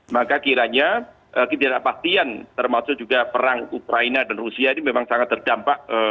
maka kiranya ketidakpastian termasuk juga perang ukraina dan rusia ini memang sangat terdampak